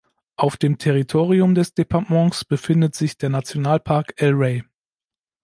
Auf dem Territorium des Departamentos befindet sich der Nationalpark El Rey.